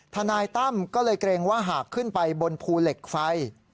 ทนายตั้มก็เลยเกรงว่าหากขึ้นไปบนภูเหล็กไฟ